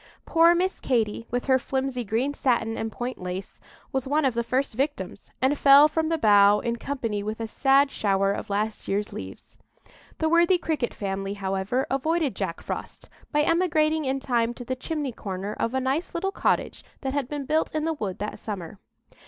Poor Miss Katy, with her flimsy green satin and point lace, was one of the first victims, and fell from the bough in company with a sad shower of last year's leaves. The worthy Cricket family, however, avoided Jack Frost by emigrating in time to the chimney corner of a nice little cottage that had been built in the wood that summer.